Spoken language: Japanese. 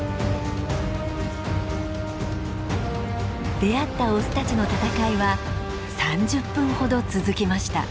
出会ったオスたちの戦いは３０分ほど続きました。